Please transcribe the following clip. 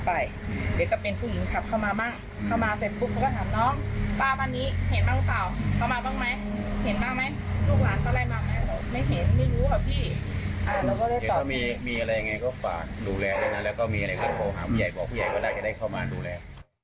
แล้วก็มีอะไรโทรเรียนถามผู้ใหญ่เพราะผู้ใหญ่ก็ได้เข้ามาดูแล